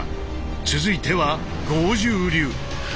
続いては剛柔流。